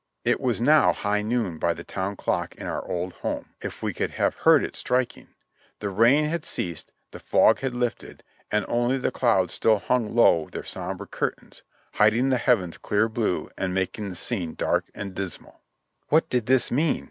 It was now high noon by the town clock in our old home, if we could have heard it striking ; the rain had ceased, the fog had lifted, and only the clouds still hung low their somber curtains, hiding the heavens' clear blue and making the scene dark and dismal. "What did this mean?"